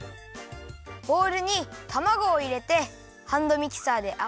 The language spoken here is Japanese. ボウルにたまごをいれてハンドミキサーであわだてます。